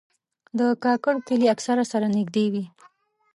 د کاکړ کلي اکثره سره نږدې وي.